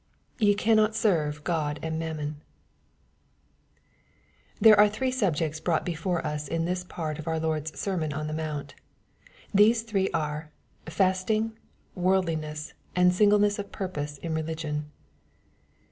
Ye cannot serve God and mammon. There are three subjects brougtt before us in this part of our Lord's sermon on the mount. These three are festing, worldliness, and singleness of purpose in religion.